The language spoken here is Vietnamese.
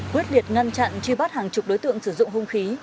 quyết liệt ngăn chặn truy bắt hàng chục đối tượng sử dụng hung khí